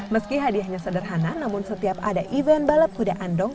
meski hadiahnya sederhana namun setiap ada event balap kuda andong